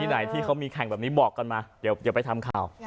ไหนที่เขามีแข่งแบบนี้บอกกันมาเดี๋ยวไปทำข่าว